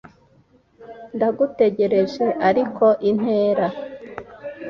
ndagutegereje ariko, intera,